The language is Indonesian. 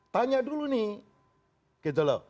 tanya dulu nih